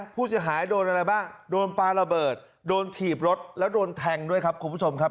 ผู้เสียหายโดนอะไรบ้างโดนปลาระเบิดโดนถีบรถแล้วโดนแทงด้วยครับคุณผู้ชมครับ